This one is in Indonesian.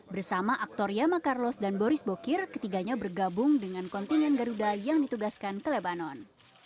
bersama aktor yama carlos dan boris bokir ketiganya bergabung dengan kontingen garuda yang ditugaskan ke lebanon